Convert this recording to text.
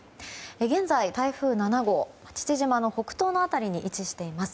現在、台風７号父島の北東の辺りに位置しています。